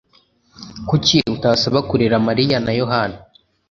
Kuki utasaba kurera Mariya na Yohana?